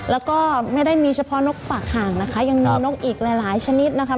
แล้วก็ไม่ได้มีเฉพาะนกฝากห่างนะคะยังมีนกอีกหลายหลายชนิดนะคะ